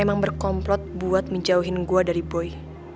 emang berkomplot buat menjauhin gue dari boy